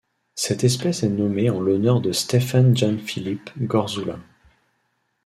Cette espèce est nommée en l'honneur de Stefan Jan Filip Gorzula.